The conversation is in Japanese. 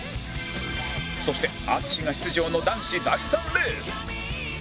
そして淳が出場の男子第３レース